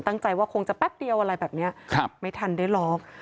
ตั้งใจว่าคงจะแป๊บเดียวอะไรแบบนี้ไม่ทันได้ล็อก